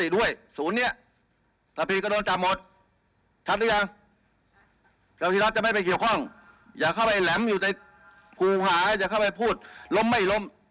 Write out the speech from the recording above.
ตัวศูนย์เนี่ยระวังตัวให้ดี